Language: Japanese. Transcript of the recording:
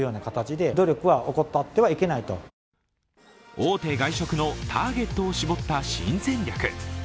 大手外食のターゲットを絞った新戦略。